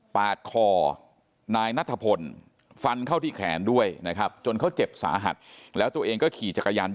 ปาดคอนายนัทพลฟันเข้าที่แขนด้วยนะครับจนเขาเจ็บสาหัสแล้วตัวเองก็ขี่จักรยานยน